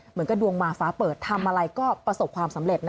เหมือนกับดวงมาฟ้าเปิดทำอะไรก็ประสบความสำเร็จนะ